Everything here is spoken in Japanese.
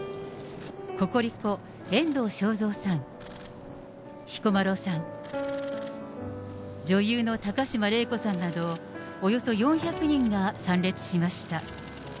ココリコ・遠藤しょうぞうさん、彦摩呂さん、女優の高島礼子さんなど、およそ４００人が参列しました。